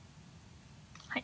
はい。